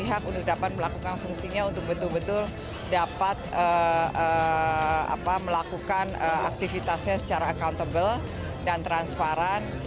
pihak untuk dapat melakukan fungsinya untuk betul betul dapat melakukan aktivitasnya secara accountable dan transparan